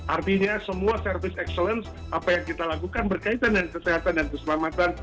artinya semua service excellence apa yang kita lakukan berkaitan dengan kesehatan dan keselamatan